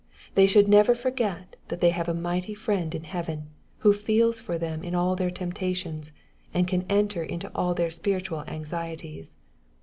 They shojikL never foi^et, that they have a mighty Friend in heaven, who feels foi them in all their temptations, and can enter into all their spiritual anxieties.